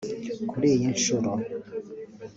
kuri iyi nshuro